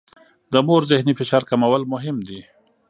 د مور ذهني فشار کمول مهم دي.